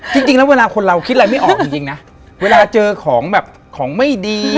จริงแล้วเวลาคนเราคิดอะไรไม่ออกจริงนะเวลาเจอของแบบของไม่ดี